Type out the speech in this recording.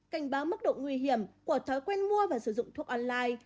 cảnh báo mức độ nguy hiểm của thói quen mua và sử dụng thuốc online